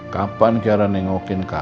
kapan kiara nengokin kakek